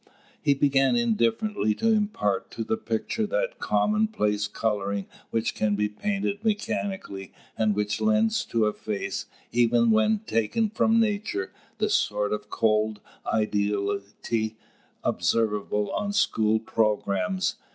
He began indifferently to impart to the picture that commonplace colouring which can be painted mechanically, and which lends to a face, even when taken from nature, the sort of cold ideality observable on school programmes.